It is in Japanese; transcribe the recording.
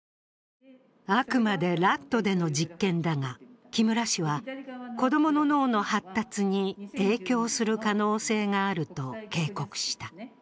あくまでラットでの実験だが、木村氏は子供の脳の発達に影響する可能性があると警告した。